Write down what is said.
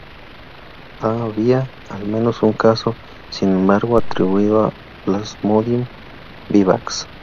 Ha habido al menos un caso, sin embargo, atribuido a "Plasmodium vivax".